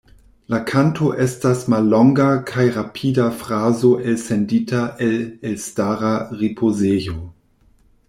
La kanto estas mallonga kaj rapida frazo elsendita el elstara ripozejo.